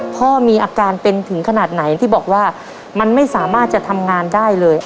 พ่อมีอาการเป็นถึงขนาดไหนที่บอกว่ามันไม่สามารถจะทำงานได้เลย